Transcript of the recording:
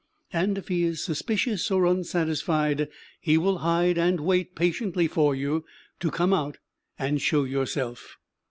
And if he is suspicious or unsatisfied, he will hide and wait patiently for you to come out and show yourself.